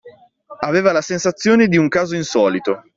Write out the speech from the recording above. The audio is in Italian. Aveva la sensazione di un caso insolito